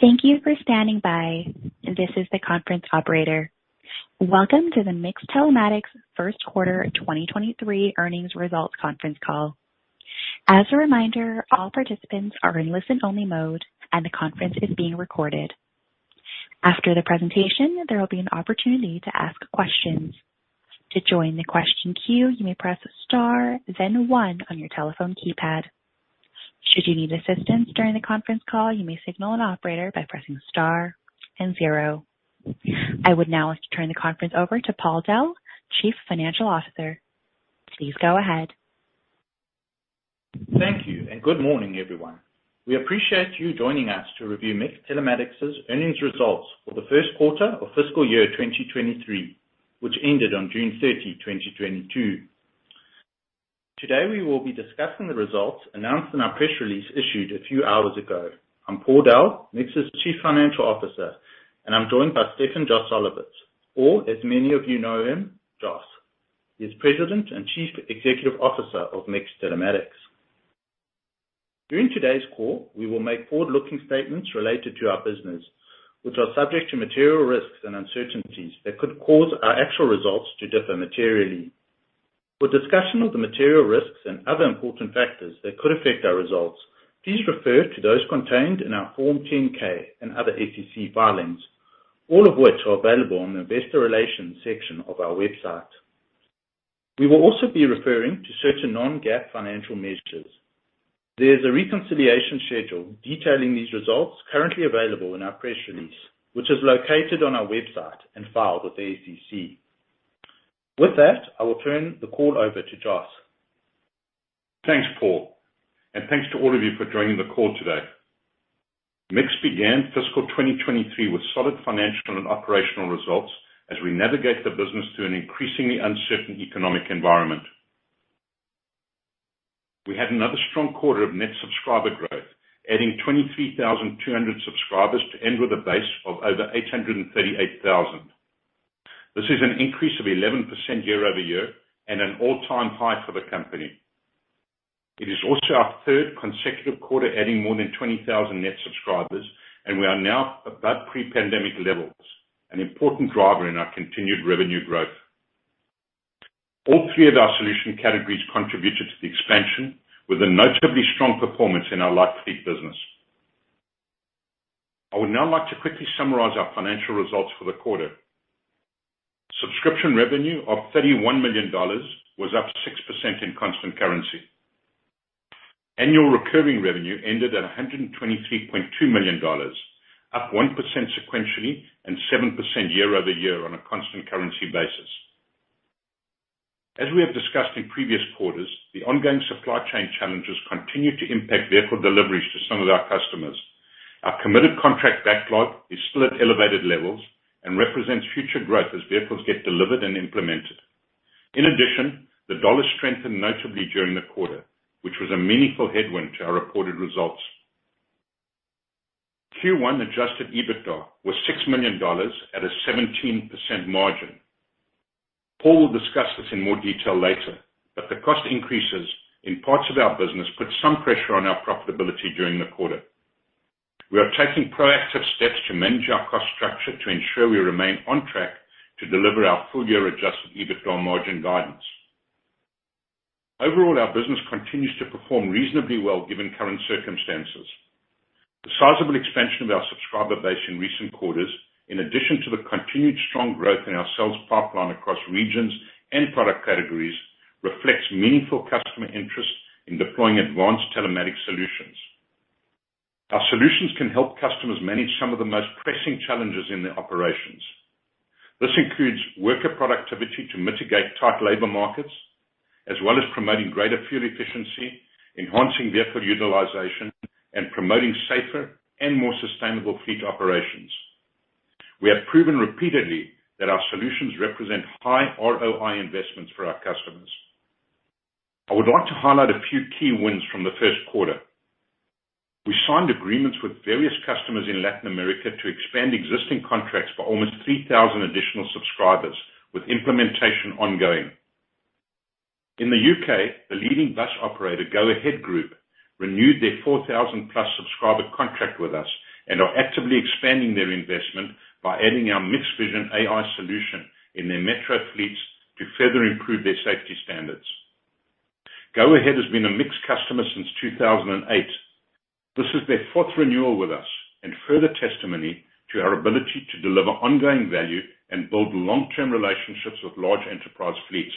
Thank you for standing by. This is the conference operator. Welcome to the MiX Telematics first quarter 2023 earnings results conference call. As a reminder, all participants are in listen-only mode, and the conference is being recorded. After the presentation, there will be an opportunity to ask questions. To join the question queue, you may press star then one on your telephone keypad. Should you need assistance during the conference call, you may signal an operator by pressing star and zero. I would now like to turn the conference over to Paul Dell, Chief Financial Officer. Please go ahead. Thank you and good morning, everyone. We appreciate you joining us to review MiX Telematics' earnings results for the first quarter of fiscal year 2023, which ended on June 30, 2022. Today, we will be discussing the results announced in our press release issued a few hours ago. I'm Paul Dell, MiX's Chief Financial Officer, and I'm joined by Stefan Joselowitz, or as many of you know him, Joss. He's President and Chief Executive Officer of MiX Telematics. During today's call, we will make forward-looking statements related to our business, which are subject to material risks and uncertainties that could cause our actual results to differ materially. For discussion of the material risks and other important factors that could affect our results, please refer to those contained in our Form 10-K and other SEC filings, all of which are available on the investor relations section of our website. We will also be referring to certain Non-GAAP financial measures. There's a reconciliation schedule detailing these results currently available in our press release, which is located on our website and filed with the SEC. With that, I will turn the call over to Joss. Thanks, Paul, and thanks to all of you for joining the call today. MiX began fiscal 2023 with solid financial and operational results as we navigate the business through an increasingly uncertain economic environment. We had another strong quarter of net subscriber growth, adding 23,200 subscribers to end with a base of over 838,000. This is an increase of 11% year-over-year and an all-time high for the company. It is also our third consecutive quarter adding more than 20,000 net subscribers, and we are now above pre-pandemic levels, an important driver in our continued revenue growth. All three of our solution categories contributed to the expansion with a notably strong performance in our light fleet business. I would now like to quickly summarize our financial results for the quarter. Subscription revenue of $31 million was up 6% in constant currency. Annual recurring revenue ended at $123.2 million, up 1% sequentially and 7% year-over-year on a constant currency basis. As we have discussed in previous quarters, the ongoing supply chain challenges continue to impact vehicle deliveries to some of our customers. Our committed contract backlog is still at elevated levels and represents future growth as vehicles get delivered and implemented. In addition, the dollar strengthened notably during the quarter, which was a meaningful headwind to our reported results. Q1 adjusted EBITDA was $6 million at a 17% margin. Paul will discuss this in more detail later, but the cost increases in parts of our business put some pressure on our profitability during the quarter. We are taking proactive steps to manage our cost structure to ensure we remain on track to deliver our full-year adjusted EBITDA margin guidance. Overall, our business continues to perform reasonably well given current circumstances. The sizable expansion of our subscriber base in recent quarters, in addition to the continued strong growth in our sales pipeline across regions and product categories, reflects meaningful customer interest in deploying advanced telematics solutions. Our solutions can help customers manage some of the most pressing challenges in their operations. This includes worker productivity to mitigate tight labor markets, as well as promoting greater fuel efficiency, enhancing vehicle utilization, and promoting safer and more sustainable fleet operations. We have proven repeatedly that our solutions represent high ROI investments for our customers. I would like to highlight a few key wins from the first quarter. We signed agreements with various customers in Latin America to expand existing contracts by almost 3,000 additional subscribers with implementation ongoing. In the U.K., the leading bus operator, Go-Ahead Group, renewed their 4,000+ subscriber contract with us and are actively expanding their investment by adding our MiX Vision AI solution in their metro fleets to further improve their safety standards. Go-Ahead has been a MiX customer since 2008. This is their fourth renewal with us and further testimony to our ability to deliver ongoing value and build long-term relationships with large enterprise fleets.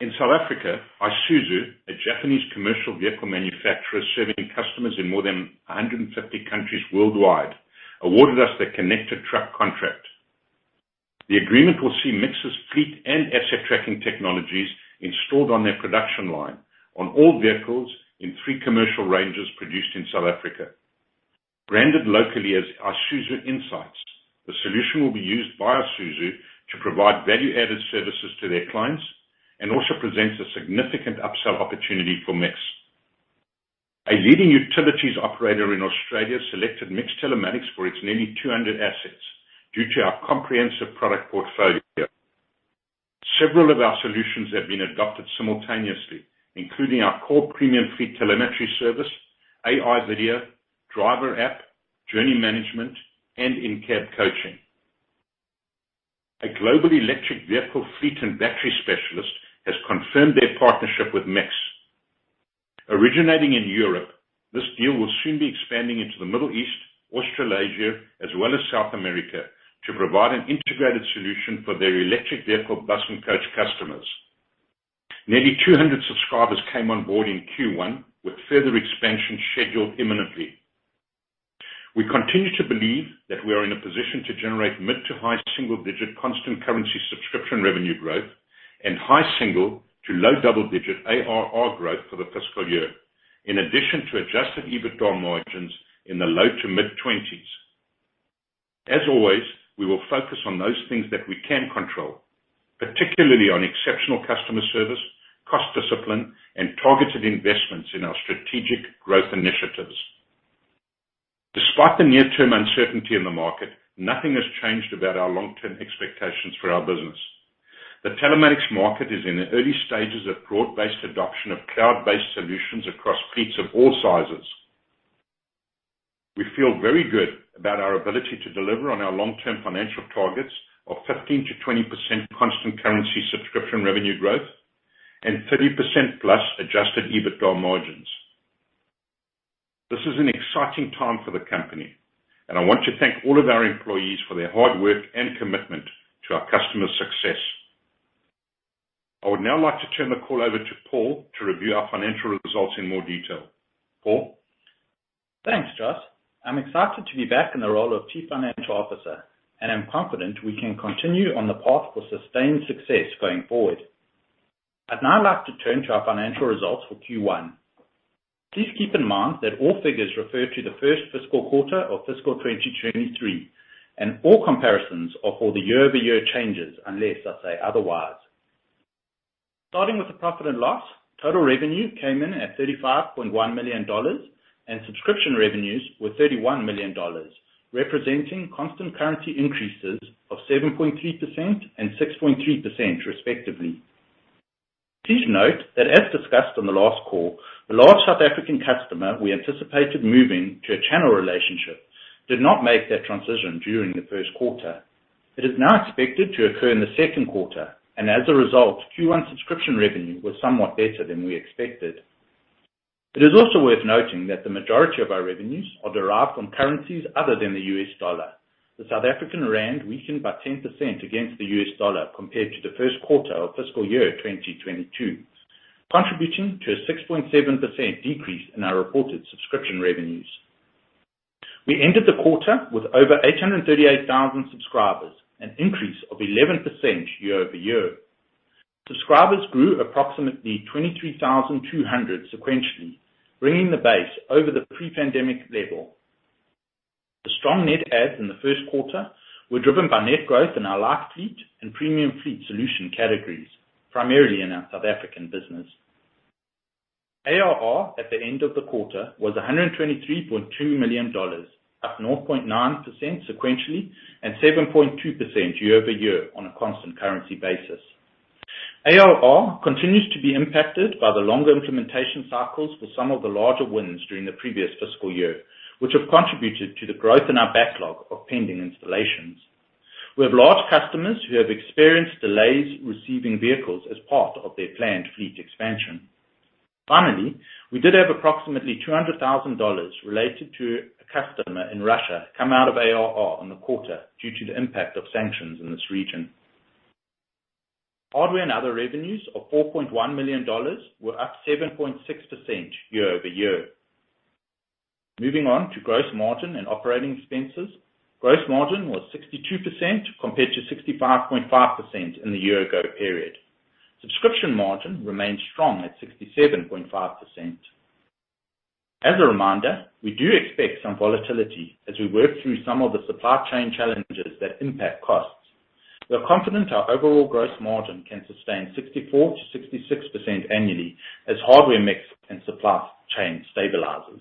In South Africa, Isuzu, a Japanese commercial vehicle manufacturer serving customers in more than 150 countries worldwide, awarded us the Connected Truck contract. The agreement will see MiX's fleet and asset tracking technologies installed on their production line on all vehicles in three commercial ranges produced in South Africa. Branded locally as Isuzu Insight, the solution will be used by Isuzu to provide value added services to their clients and also presents a significant upsell opportunity for MiX. A leading utilities operator in Australia selected MiX Telematics for its nearly 200 assets due to our comprehensive product portfolio. Several of our solutions have been adopted simultaneously, including our core premium fleet telemetry service, MiX Vision AI, MyMiX, MiX Journey Management, and in-cab coaching. A global electric vehicle fleet and battery specialist has confirmed their partnership with MiX. Originating in Europe, this deal will soon be expanding into the Middle East, Australasia, as well as South America to provide an integrated solution for their electric vehicle bus and coach customers. Nearly 200 subscribers came on board in Q1 with further expansion scheduled imminently. We continue to believe that we are in a position to generate mid- to high single-digit% constant currency subscription revenue growth and high single- to low double-digit% ARR growth for the fiscal year, in addition to adjusted EBITDA margins in the low- to mid-20s%. As always, we will focus on those things that we can control, particularly on exceptional customer service, cost discipline, and targeted investments in our strategic growth initiatives. Despite the near-term uncertainty in the market, nothing has changed about our long-term expectations for our business. The telematics market is in the early stages of broad-based adoption of cloud-based solutions across fleets of all sizes. We feel very good about our ability to deliver on our long-term financial targets of 15%-20% constant currency subscription revenue growth and 30%+ adjusted EBITDA margins. This is an exciting time for the company, and I want to thank all of our employees for their hard work and commitment to our customers' success. I would now like to turn the call over to Paul to review our financial results in more detail. Paul? Thanks, Joss. I'm excited to be back in the role of Chief Financial Officer, and I'm confident we can continue on the path for sustained success going forward. I'd now like to turn to our financial results for Q1. Please keep in mind that all figures refer to the first fiscal quarter of fiscal 2023, and all comparisons are for the year-over-year changes, unless I say otherwise. Starting with the profit and loss, total revenue came in at $35.1 million, and subscription revenues were $31 million, representing constant currency increases of 7.3% and 6.3% respectively. Please note that, as discussed on the last call, the large South African customer we anticipated moving to a channel relationship did not make that transition during the first quarter. It is now expected to occur in the second quarter, and as a result, Q1 subscription revenue was somewhat better than we expected. It is also worth noting that the majority of our revenues are derived from currencies other than the U.S. dollar. The South African rand weakened by 10% against the U.S. dollar compared to the first quarter of fiscal year 2022, contributing to a 6.7% decrease in our reported subscription revenues. We ended the quarter with over 838,000 subscribers, an increase of 11% year-over-year. Subscribers grew approximately 23,200 sequentially, bringing the base over the pre-pandemic level. The strong net adds in the first quarter were driven by net growth in our light fleet and premium fleet solution categories, primarily in our South African business. ARR at the end of the quarter was $123.2 million, up 0.9% sequentially and 7.2% year-over-year on a constant currency basis. ARR continues to be impacted by the longer implementation cycles with some of the larger wins during the previous fiscal year, which have contributed to the growth in our backlog of pending installations. We have large customers who have experienced delays receiving vehicles as part of their planned fleet expansion. Finally, we did have approximately $200,000 related to a customer in Russia come out of ARR in the quarter due to the impact of sanctions in this region. Hardware and other revenues of $4.1 million were up 7.6% year-over-year. Moving on to gross margin and operating expenses. Gross margin was 62% compared to 65.5% in the year ago period. Subscription margin remains strong at 67.5%. As a reminder, we do expect some volatility as we work through some of the supply chain challenges that impact costs. We're confident our overall gross margin can sustain 64%-66% annually as hardware mix and supply chain stabilizes.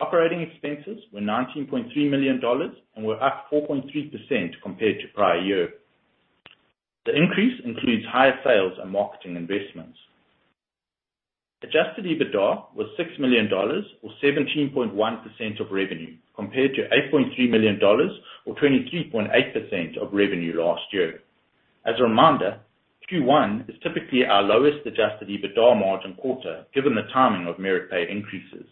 Operating expenses were $19.3 million and were up 4.3% compared to prior year. The increase includes higher sales and marketing investments. Adjusted EBITDA was $6 million or 17.1% of revenue, compared to $8.3 million or 23.8% of revenue last year. As a reminder, Q1 is typically our lowest adjusted EBITDA margin quarter, given the timing of merit pay increases.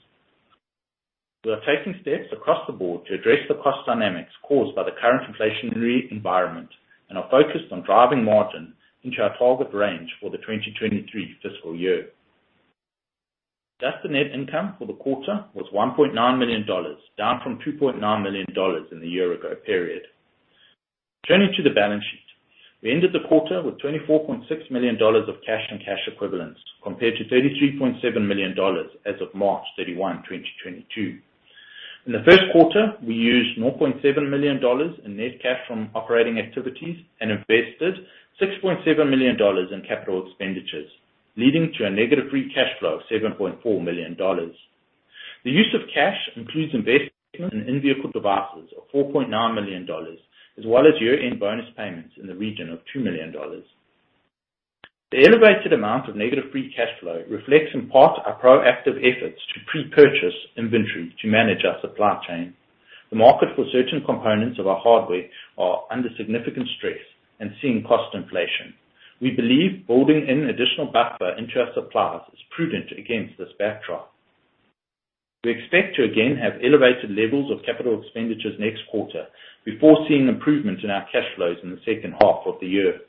We are taking steps across the board to address the cost dynamics caused by the current inflationary environment and are focused on driving margin into our target range for the 2023 fiscal year. Adjusted net income for the quarter was $1.9 million, down from $2.9 million in the year ago period. Turning to the balance sheet. We ended the quarter with $24.6 million of cash and cash equivalents, compared to $33.7 million as of March 31, 2022. In the first quarter, we used $0.7 million in net cash from operating activities and invested $6.7 million in capital expenditures, leading to a negative free cash flow of $7.4 million. The use of cash includes investment in in-vehicle devices of $4.9 million, as well as year-end bonus payments in the region of $2 million. The elevated amount of negative free cash flow reflects in part our proactive efforts to pre-purchase inventory to manage our supply chain. The market for certain components of our hardware are under significant stress and seeing cost inflation. We believe holding an additional buffer in our suppliers is prudent against this backdrop. We expect to again have elevated levels of capital expenditures next quarter before seeing improvement in our cash flows in the second half of the year.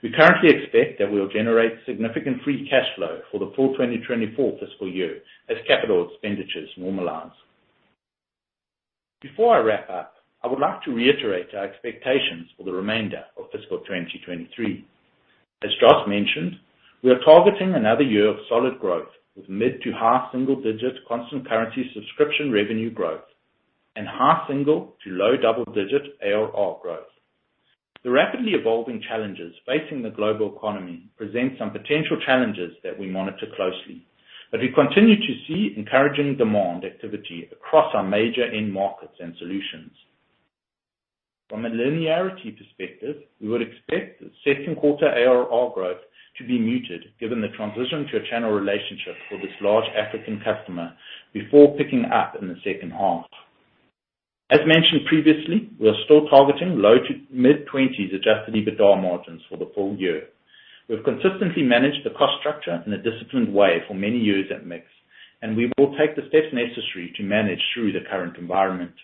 We currently expect that we will generate significant free cash flow for the full 2024 fiscal year as capital expenditures normalize. Before I wrap up, I would like to reiterate our expectations for the remainder of fiscal 2023. As Joss mentioned, we are targeting another year of solid growth with mid- to high-single-digit constant currency subscription revenue growth and high-single- to low-double-digit ARR growth. The rapidly evolving challenges facing the global economy present some potential challenges that we monitor closely, but we continue to see encouraging demand activity across our major end markets and solutions. From a linearity perspective, we would expect the second quarter ARR growth to be muted given the transition to a channel relationship for this large African customer before picking up in the second half. As mentioned previously, we are still targeting low- to mid-20s% adjusted EBITDA margins for the full year. We've consistently managed the cost structure in a disciplined way for many years at MiX, and we will take the steps necessary to manage through the current environment.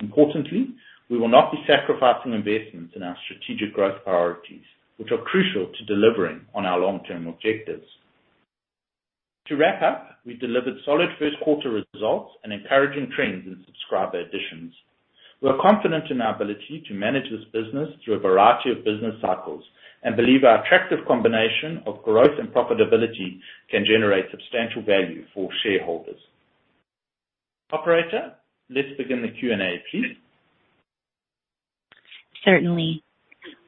Importantly, we will not be sacrificing investments in our strategic growth priorities, which are crucial to delivering on our long-term objectives. To wrap up, we delivered solid first quarter results and encouraging trends in subscriber additions. We are confident in our ability to manage this business through a variety of business cycles and believe our attractive combination of growth and profitability can generate substantial value for shareholders. Operator, let's begin the Q&A, please. Certainly.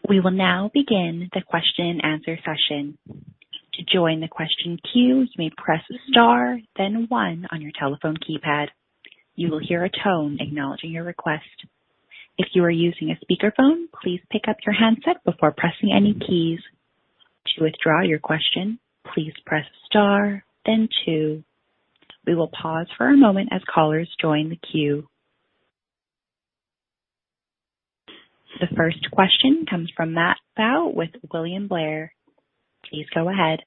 We will now begin the question-and-answer session. To join the question queue, you may press star then one on your telephone keypad. You will hear a tone acknowledging your request. If you are using a speakerphone, please pick up your handset before pressing any keys. To withdraw your question, please press star then two. We will pause for a moment as callers join the queue. The first questio comes from Matthew Baugh with William Blair. Please go ahead.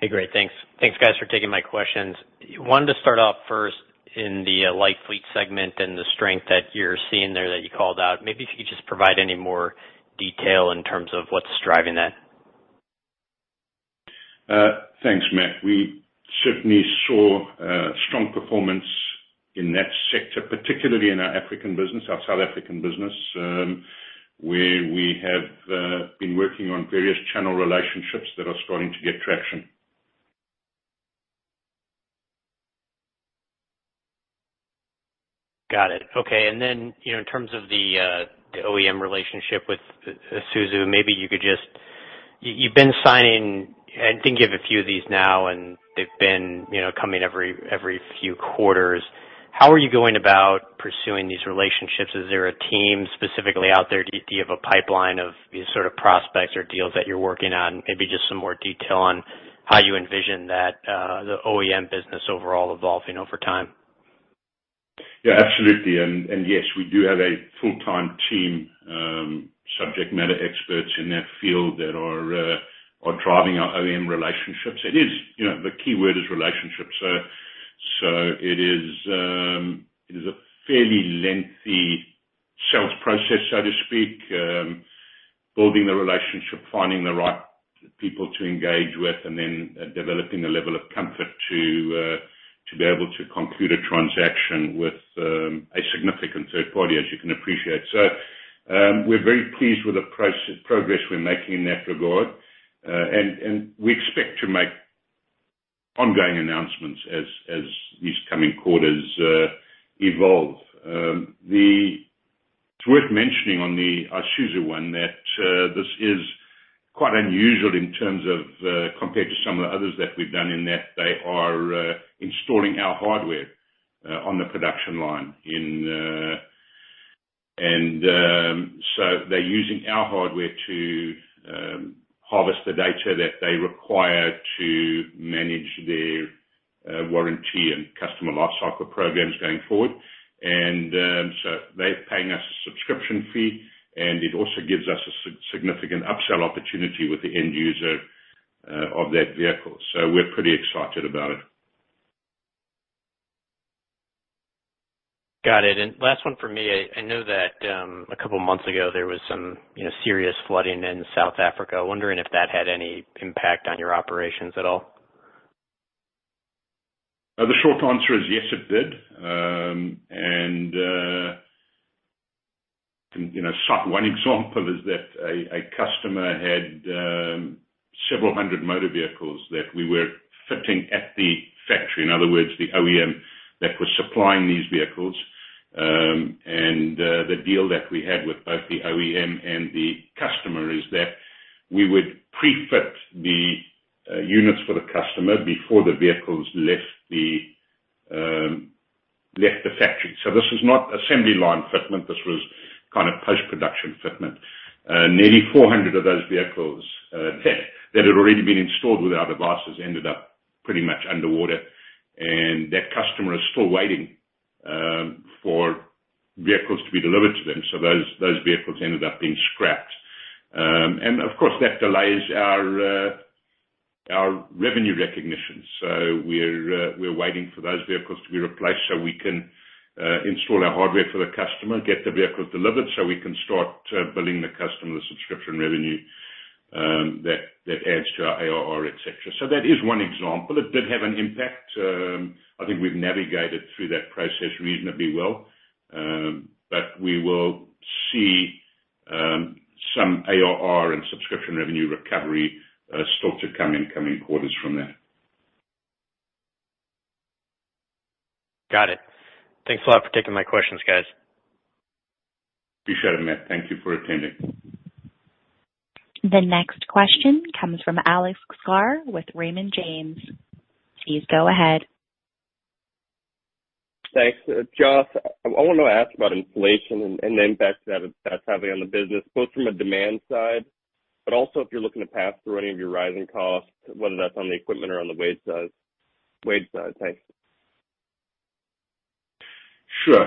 Hey, great. Thanks. Thanks, guys, for taking my questions. Wanted to start off first in the light fleet segment and the strength that you're seeing there that you called out. Maybe if you could just provide any more detail in terms of what's driving that. Thanks, Matt. We certainly saw strong performance in that sector, particularly in our African business, our South African business, where we have been working on various channel relationships that are starting to get traction. Got it. Okay. Then, you know, in terms of the OEM relationship with Isuzu, maybe you could just. You've been signing, I think you have a few of these now, and they've been, you know, coming every few quarters. How are you going about pursuing these relationships? Is there a team specifically out there? Do you have a pipeline of these sort of prospects or deals that you're working on? Maybe just some more detail on how you envision that the OEM business overall evolving over time. Yeah, absolutely. Yes, we do have a full-time team, subject matter experts in that field that are driving our OEM relationships. It is. You know, the key word is relationship. It is a fairly lengthy sales process, so to speak. Building the relationship, finding the right people to engage with, and then developing a level of comfort to be able to conclude a transaction with a significant third party, as you can appreciate. We're very pleased with the progress we're making in that regard. We expect to make ongoing announcements as these coming quarters evolve. It's worth mentioning on the Isuzu one that this is quite unusual in terms of compared to some of the others that we've done in that they are installing our hardware on the production line. So they're using our hardware to harvest the data that they require to manage their warranty and customer lifecycle programs going forward. They're paying us a subscription fee, and it also gives us a significant upsell opportunity with the end user of that vehicle. We're pretty excited about it. Got it. Last one for me. I know that a couple of months ago, there was some, you know, serious flooding in South Africa. I'm wondering if that had any impact on your operations at all? The short answer is yes, it did. You know, one example is that a customer had several hundred motor vehicles that we were fitting at the factory. In other words, the OEM that was supplying these vehicles. The deal that we had with both the OEM and the customer is that we would pre-fit the units for the customer before the vehicles left the factory. This is not assembly line fitment. This was kind of post-production fitment. Nearly 400 of those vehicles that had already been installed with our devices ended up pretty much underwater. That customer is still waiting for vehicles to be delivered to them. Those vehicles ended up being scrapped. Of course, that delays our revenue recognition. We're waiting for those vehicles to be replaced so we can install our hardware for the customer, get the vehicles delivered so we can start billing the customer the subscription revenue that adds to our ARR, et cetera. That is one example. It did have an impact. I think we've navigated through that process reasonably well. We will see some ARR and subscription revenue recovery start to come in coming quarters from there. Got it. Thanks a lot for taking my questions, guys. Appreciate it, Matt. Thank you for attending. The next question comes from Alexander Sklar with Raymond James. Please go ahead. Thanks. Joss, I want to ask about inflation and the impact that's having on the business, both from a demand side, but also if you're looking to pass through any of your rising costs, whether that's on the equipment or on the wage side. Thanks. Sure.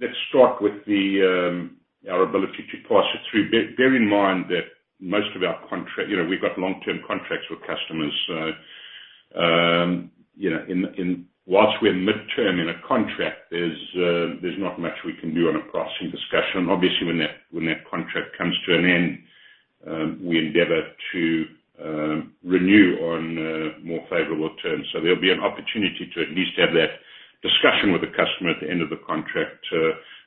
Let's start with our ability to pass it through. Bear in mind that most of our contracts. You know, we've got long-term contracts with customers. You know, in while we're midterm in a contract, there's not much we can do on a pricing discussion. Obviously, when that contract comes to an end, we endeavor to renew on more favorable terms. There'll be an opportunity to at least have that discussion with the customer at the end of the contract.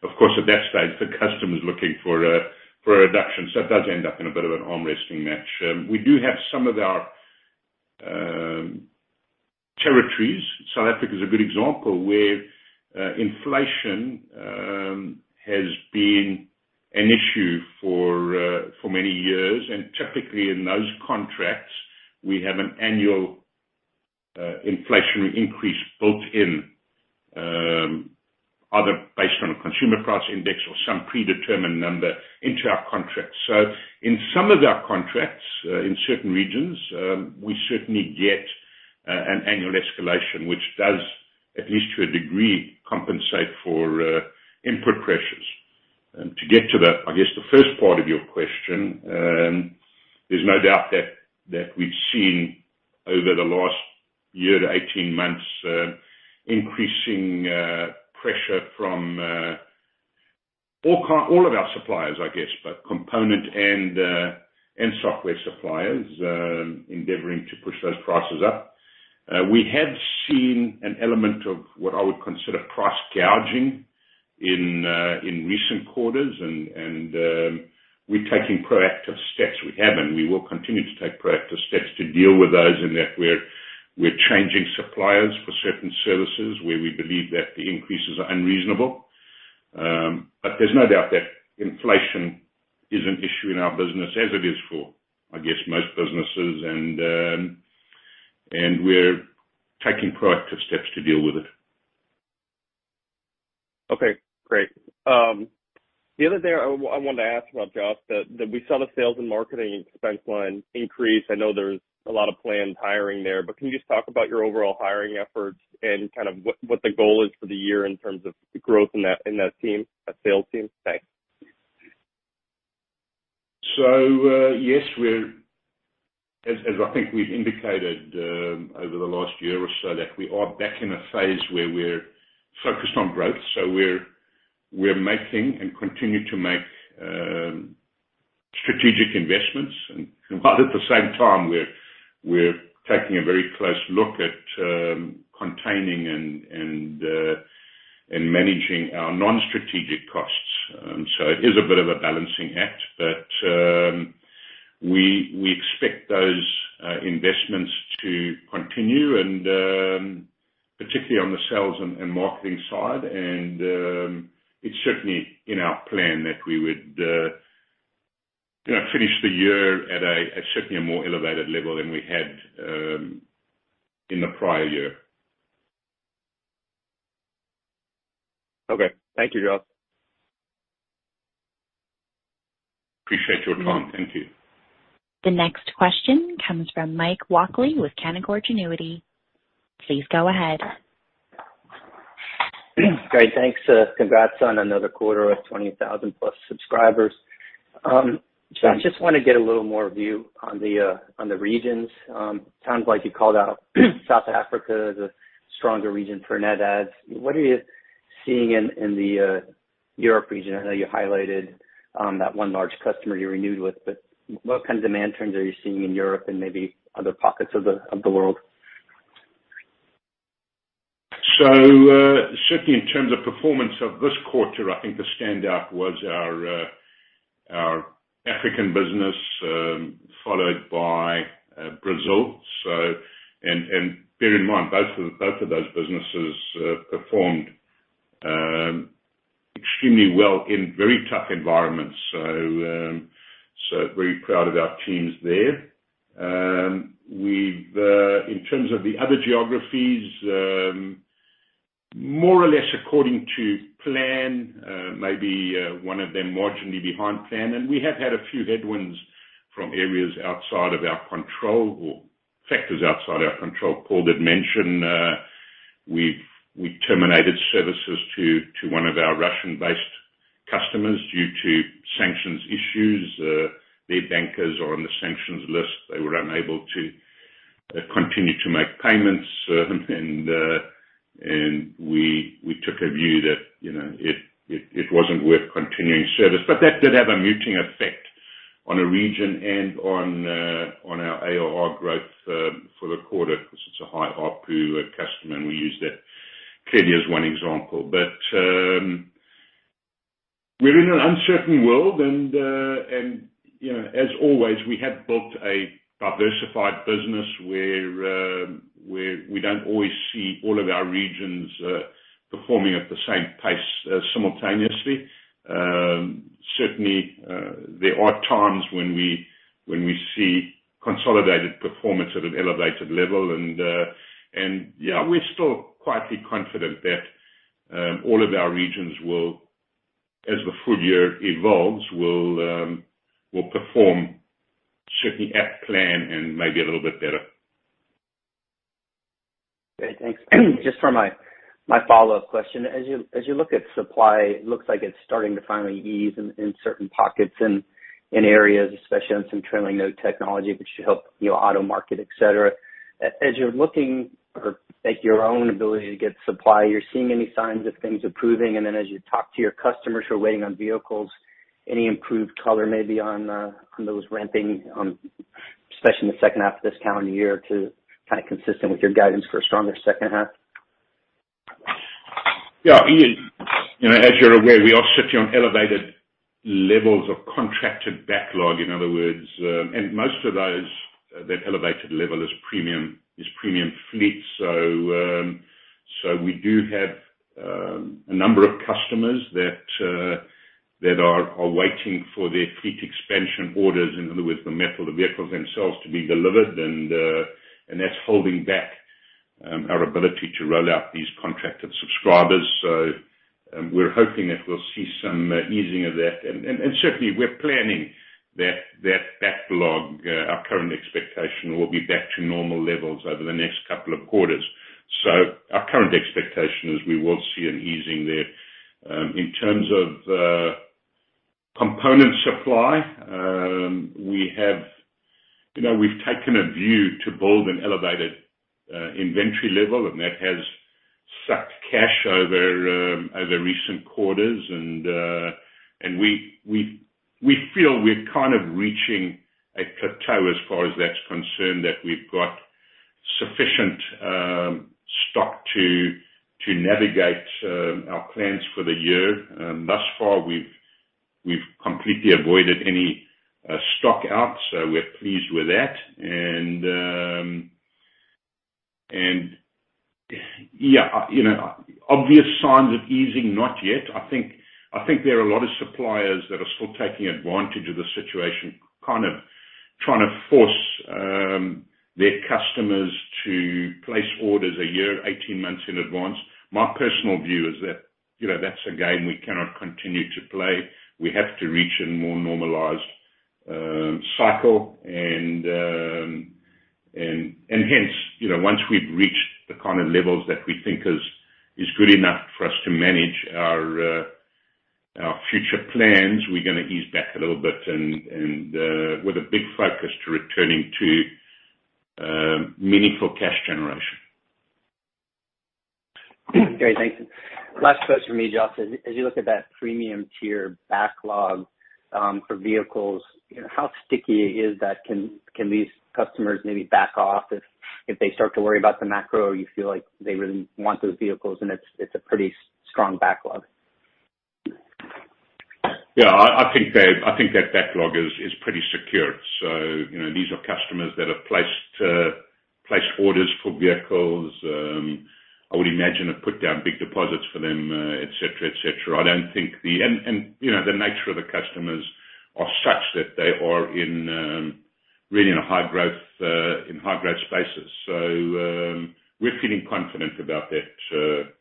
Of course, at that stage, the customer's looking for a reduction, so it does end up in a bit of an arm-wrestling match. We do have some of our territories, South Africa is a good example, where inflation has been an issue for many years. Typically in those contracts, we have an annual inflationary increase built in, either based on a Consumer Price Index or some predetermined number into our contracts. In some of our contracts, in certain regions, we certainly get an annual escalation, which does, at least to a degree, compensate for input pressures. To get to the first part of your question, I guess, there's no doubt that we've seen over the last year to 18 months, increasing pressure from all of our suppliers I guess, both component and software suppliers, endeavoring to push those prices up. We have seen an element of what I would consider price gouging in recent quarters, and we're taking proactive steps. We have and we will continue to take proactive steps to deal with those in that we're changing suppliers for certain services where we believe that the increases are unreasonable. There's no doubt that inflation is an issue in our business as it is for, I guess, most businesses and we're taking proactive steps to deal with it. Okay, great. The other thing I wanted to ask about, Joss, that we saw the sales and marketing expense line increase. I know there's a lot of planned hiring there, but can you just talk about your overall hiring efforts and kind of what the goal is for the year in terms of growth in that team, that sales team? Thanks. As I think we've indicated over the last year or so that we are back in a phase where we're focused on growth. We're making and continue to make strategic investments. But at the same time, we're taking a very close look at containing and managing our non-strategic costs. It is a bit of a balancing act, but we expect those investments to continue and particularly on the sales and marketing side. It's certainly in our plan that we would you know finish the year at certainly a more elevated level than we had in the prior year. Okay. Thank you, Joss. Appreciate your time. Thank you. The next question comes from Michael Walkley with Canaccord Genuity. Please go ahead. Great. Thanks. Congrats on another quarter of 20,000+ subscribers. Thanks. Joss, just wanna get a little more view on the regions. Sounds like you called out South Africa as a stronger region for net adds. What are you seeing in the Europe region? I know you highlighted that one large customer you renewed with, but what kind of demand trends are you seeing in Europe and maybe other pockets of the world? Certainly in terms of performance of this quarter, I think the standout was our African business, followed by Brazil. Bear in mind, both of those businesses performed extremely well in very tough environments. So very proud of our teams there. We've in terms of the other geographies, more or less according to plan, maybe one of them marginally behind plan. We have had a few headwinds from areas outside of our control or factors outside our control. Paul did mention, we terminated services to one of our Russian-based customers due to sanctions issues. Their bankers are on the sanctions list. They were unable to continue to make payments. We took a view that, you know, it wasn't worth continuing service. That did have a muting effect on a region and on our ARR growth for the quarter 'cause it's a high ARPU customer, and we used that clearly as one example. We're in an uncertain world and, you know, as always, we have built a diversified business where we don't always see all of our regions performing at the same pace simultaneously. Certainly, there are times when we see consolidated performance at an elevated level and yeah, we're still quietly confident that all of our regions will, as the full year evolves, perform certainly at plan and maybe a little bit better. Great. Thanks. Just for my follow-up question. As you look at supply, it looks like it's starting to finally ease in certain pockets in areas, especially on some trailing node technology, which should help, you know, auto market, et cetera. As you're looking for like your own ability to get supply, you're seeing any signs of things improving, and then as you talk to your customers who are waiting on vehicles, any improved color maybe on those ramping, especially in the second half of this calendar year to kind of consistent with your guidance for a stronger second half? Yeah. You know, as you're aware, we are sitting on elevated levels of contracted backlog, in other words. Most of those that elevated level is premium fleet. We do have a number of customers that are waiting for their fleet expansion orders, in other words, the metal, the vehicles themselves to be delivered, and that's holding back our ability to roll out these contracted subscribers. We're hoping that we'll see some easing of that. Certainly we're planning that backlog. Our current expectation will be back to normal levels over the next couple of quarters. Our current expectation is we will see an easing there. In terms of component supply, we have... You know, we've taken a view to build an elevated inventory level, and that has sucked cash over recent quarters. We feel we're kind of reaching a plateau as far as that's concerned that we've got sufficient stock to navigate our plans for the year. Thus far we've completely avoided any stock out, so we're pleased with that. Yeah, you know, obvious signs of easing, not yet. I think there are a lot of suppliers that are still taking advantage of the situation, kind of trying to force their customers to place orders a year, 18 months in advance. My personal view is that, you know, that's a game we cannot continue to play. We have to reach a more normalized cycle and hence, you know, once we've reached the kind of levels that we think is good enough for us to manage our future plans, we're gonna ease back a little bit and with a big focus to returning to meaningful cash generation. Great. Thanks. Last question from me, Joss. As you look at that premium tier backlog for vehicles, you know, how sticky is that? Can these customers maybe back off if they start to worry about the macro? You feel like they really want those vehicles and it's a pretty strong backlog. Yeah. I think that backlog is pretty secure. You know, these are customers that have placed orders for vehicles. I would imagine have put down big deposits for them, et cetera. I don't think the nature of the customers are such that they are in really high growth spaces. We're feeling confident about that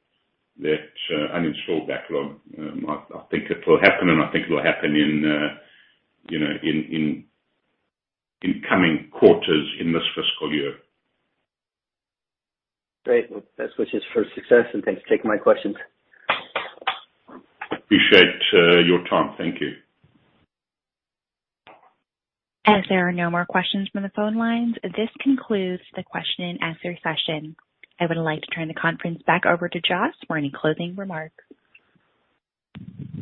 uninstalled backlog. I think it will happen, and I think it will happen in you know, in coming quarters in this fiscal year. Great. Well, best wishes for success, and thanks for taking my questions. Appreciate your time. Thank you. As there are no more questions from the phone lines, this concludes the question and answer session. I would like to turn the conference back over to Joss for any closing remarks.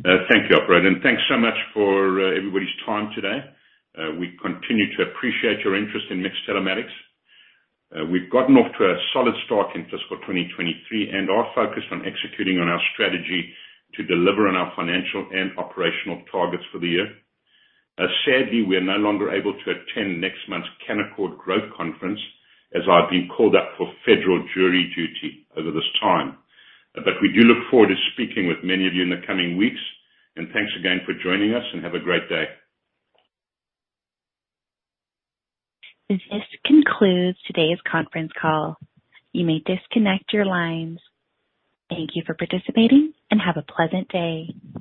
Thank you, operator, and thanks so much for everybody's time today. We continue to appreciate your interest in MiX Telematics. We've gotten off to a solid start in fiscal 2023 and are focused on executing on our strategy to deliver on our financial and operational targets for the year. Sadly, we're no longer able to attend next month's Canaccord Genuity Growth Conference, as I've been called up for federal jury duty over this time. We do look forward to speaking with many of you in the coming weeks. Thanks again for joining us, and have a great day. This concludes today's conference call. You may disconnect your lines. Thank you for participating and have a pleasant day.